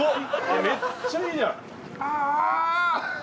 めっちゃいいじゃん。